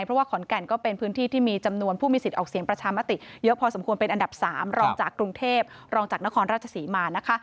เพราะว่าขอนแก่นก็เป็นพื้นที่ที่มีจำนวนผู้มีสิทธิ์ออกเสียงประชามติเยอะพอสมควรเป็นอันดับ๓รองจากกรุงเทพรองจากนครราชศรีมานะคะ